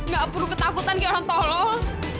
gak perlu ketakutan gitu orang tolong